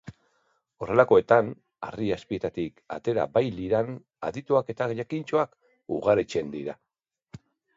Horrelakoetan harri azpietatik atera bailiran, adituak eta jakintsuak ugaritzen dira.